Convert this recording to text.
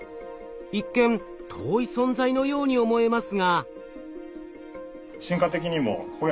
一見遠い存在のように思えますが。